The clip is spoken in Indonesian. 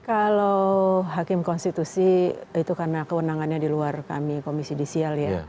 kalau hakim konstitusi itu karena kewenangannya di luar kami komisi judisial ya